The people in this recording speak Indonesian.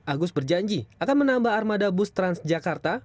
agus berjanji akan menambah armada bus transjakarta